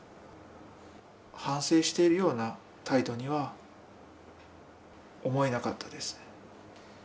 反省しているような態度には思えなかったです。